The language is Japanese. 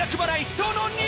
その２。